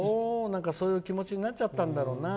そういう気持ちになっちゃったんだろうな。